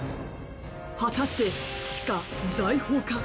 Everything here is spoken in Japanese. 果たして死か財宝か。